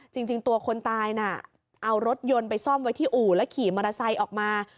จริงตัวคนตายน่ะเอารถยนต์ไปซ่อมไว้ที่อู่แล้วขี่มอเตอร์ไซค์ออกมา